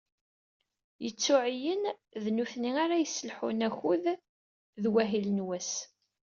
yettuɛeyyen, d nutni ara yesselḥun akud d wahil n was.